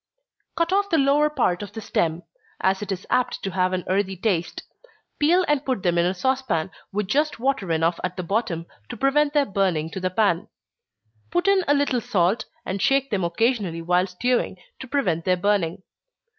_ Cut off the lower part of the stem, as it is apt to have an earthy taste. Peel and put them in a saucepan, with just water enough at the bottom, to prevent their burning to the pan. Put in a little salt, and shake them occasionally while stewing, to prevent their burning.